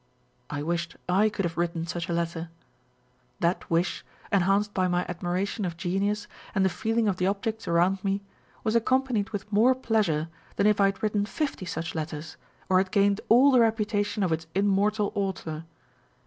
I wished I could have written such a letter. That wish, enhanced by my admiration of genius and the feeling of the objects around me, was accompanied with more pleasure than if I had written fifty such letters, or had gained all the repu tation of its immortal author